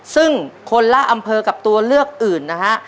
ซึ่งคนละอำเภอกับตัวเลือกอื่นนะฮะ